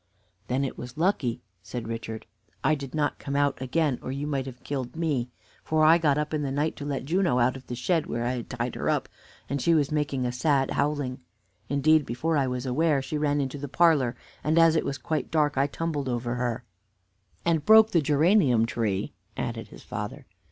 "Then it was lucky," said Richard, "I did not come out again, or you might have killed me; for I got up in the night to let Juno out of the shed, where I had tied her up, and she was making a sad howling. Indeed, before I was aware, she ran into the parlor, and, as it was quite dark, I tumbled over her." "And broke the geranium tree," added his father.